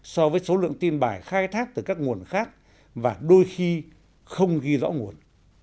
so với số lượng tin bài khai thác từ các nguồn khác và đôi khi không ghi rõ nguồn